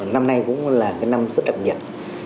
năm nay cũng là cái năm rất đậm nhiệt